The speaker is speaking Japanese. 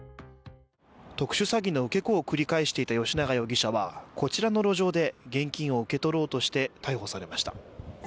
特殊詐欺の受け子を繰り返していた吉永容疑者はこちらの路上で現金を受け取ろうとして逮捕されました。